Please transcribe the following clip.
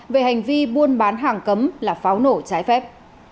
về hành vi buôn bán hàng cấm là pháo nổ trái phép